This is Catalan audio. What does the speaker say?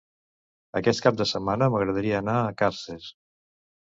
Aquest cap de setmana m'agradaria anar a Càrcer.